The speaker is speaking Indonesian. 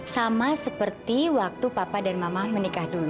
sama seperti waktu papa dan mamah menikah dulu